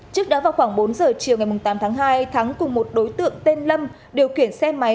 trước đó vào khoảng bốn giờ chiều ngày tám tháng hai thắng cùng một đối tượng tên lâm điều khiển xe máy